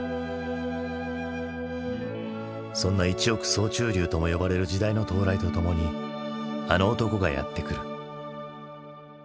そんな一億総中流とも呼ばれる時代の到来とともにあの男がやって来る。